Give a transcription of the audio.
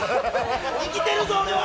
生きてるぞ、俺は！！